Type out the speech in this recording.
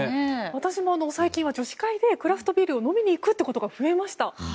私も最近は女子会でクラフトビールを飲みに行くことが増えました。